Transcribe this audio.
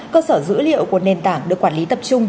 cơ sở dữ liệu của nền tảng được quản lý tập trung